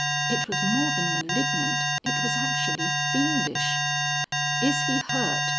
It was more than malignant, it was actually fiendish. 'Is he hurt?'